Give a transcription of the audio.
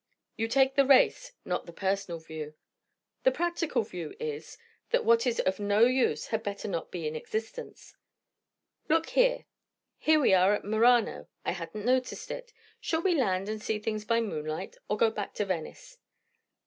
You take the race, not the personal view. The practical view is, that what is of no use had better not be in existence. Look here here we are at Murano; I had not noticed it. Shall we land, and see things by moonlight? or go back to Venice?"